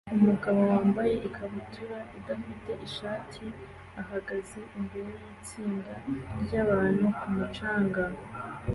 umugabo wambaye ikabutura idafite ishati ahagaze imbere yitsinda ryabantu ku mucanga